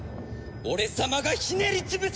俺様がひねり潰す！